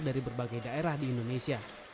dari berbagai daerah di indonesia